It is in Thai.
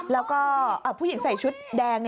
แล้วก็ผู้หญิงใส่ชุดแดง